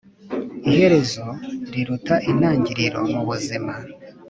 Iherezo riruta intangiriro mu buzima